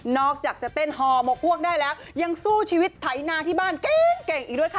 อกจากจะเต้นฮอหมกอ้วกได้แล้วยังสู้ชีวิตไถนาที่บ้านเก่งอีกด้วยค่ะ